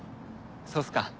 そうっすか。